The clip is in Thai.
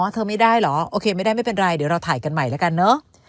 เธอไม่ได้เหรอโอเคไม่ได้ไม่เป็นไรเดี๋ยวเราถ่ายกันใหม่แล้วกันเนอะ